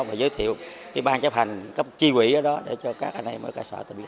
và giới thiệu cái ban chấp hành các chi quỷ ở đó để cho các anh em ở cài sở ta biết